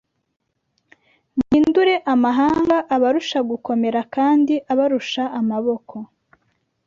muhindure amahanga abarusha gukomera kandi abarusha amaboko